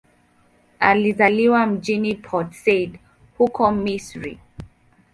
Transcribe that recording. Alizaliwa mjini Port Said, huko Misri.